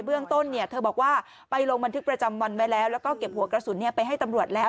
เรื่องต้นเนี่ยเธอบอกว่าไปลงบันทึกประจำวันไว้แล้วแล้วก็เก็บหัวกระสุนไปให้ตำรวจแล้ว